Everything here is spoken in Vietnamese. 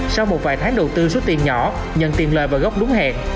sau một vài tháng đầu tư số tiền nhỏ nhận tiền lời vào góc đúng hạn